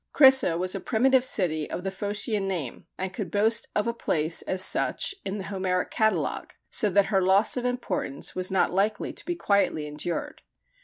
Crissa was a primitive city of the Phocian name, and could boast of a place as such in the Homeric Catalogue, so that her loss of importance was not likely to be quietly endured.